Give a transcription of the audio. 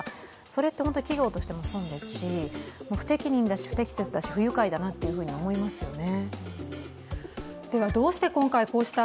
それって本当に企業としても損ですし、不適任だし、不適切だし不愉快だなと思いますよね。